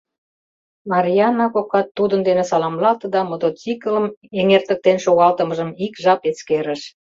Марйаана кокат тудын дене саламлалте да мотоциклым эҥертыктен шогалтымыжым ик жап эскерыш.